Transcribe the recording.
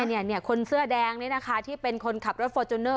เนี่ยเนี่ยคนเสื้อแดงนี้นะคะที่เป็นคนขับรถโฟร์โจนเนอร์